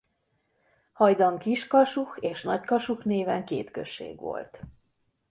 Hajdan Kis-Kasuh és Nagy-Kasuh néven két község volt.